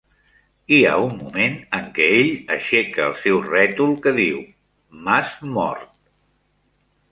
Hi ha un moment en què ell aixeca el seu rètol, que diu "M'has mort".